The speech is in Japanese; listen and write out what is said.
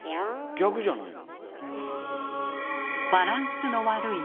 逆じゃないの？